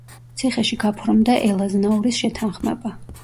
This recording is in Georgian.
ციხეში გაფორმდა ელაზნაურის შეთანხმება.